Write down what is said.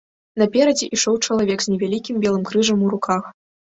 Наперадзе ішоў чалавек з невялікім белым крыжам у руках.